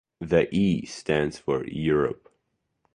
The "E" stands for "Europe".